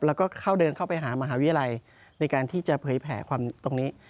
แล้วก็เข้าเดินเข้าไปหามหาวิทยาลัยในการที่จะเผยแผลความตรงนี้